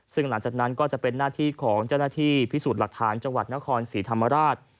ซึ่งหลังจากนั้นก็จะเป็นหน้าที่ของเจ้าหน้าที่พิสูจน์หลักฐานจังหวัดนครศรีธรรมราช